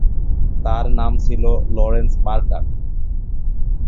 তার নাম ছিল লরেন্স পার্কার।